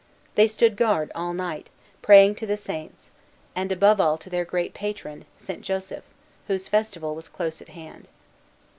They stood guard all night, praying to the Saints, and above all to their great patron, Saint Joseph, whose festival was close at hand.